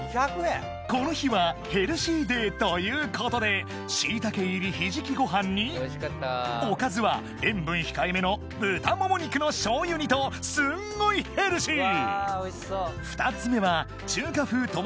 この日はヘルシーデーということでしいたけ入りひじきご飯におかずは塩分控えめの豚もも肉の醤油煮とすんごいヘルシー！